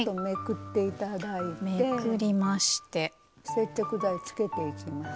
接着剤つけていきます。